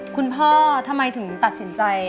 คุณพ่อทำไมถึงตัดสินใจ